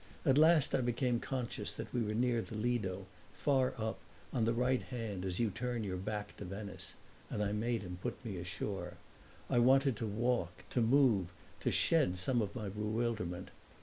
At last I became conscious that we were near the Lido, far up, on the right hand, as you turn your back to Venice, and I made him put me ashore. I wanted to walk, to move, to shed some of my bewilderment.